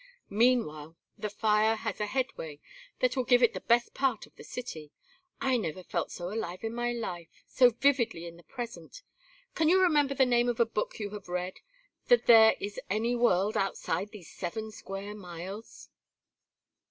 Meanwhile the fire has a headway that will give it the best part of the city. I never felt so alive in my life; so vividly in the present. Can you remember the name of a book you have read, that there is any world outside these seven square miles?"